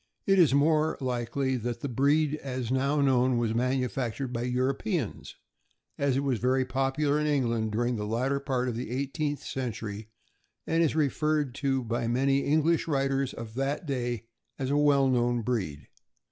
It is more likely that the breed as now known was manufactured by Europeans, as it was very popular in England during the latter part of (589) 590 THE AMERICAN BOOK OF THE DOG. the eighteenth century, and is referred to by many English writers of that day as a well known breed.